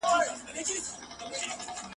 که ناوخته درته راغلم بهانې چي هېر مي نه کې !.